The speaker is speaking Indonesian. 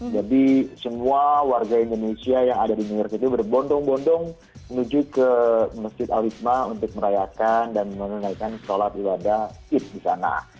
jadi semua warga indonesia yang ada di new york itu berbondong bondong menuju ke masjid al hizma untuk merayakan dan menunaikan sholat ibadah di sana